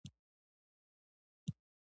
ستاینه دلته عادت ده.